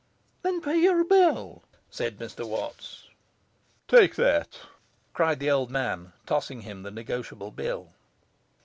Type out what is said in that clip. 'Then pay your bill,' said Mr Watts. 'Take that,' cried the old man, tossing him the negotiable bill.